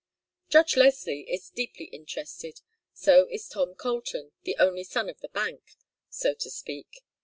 Judge Leslie is deeply interested; so is Tom Colton, the only son of the bank, so to speak.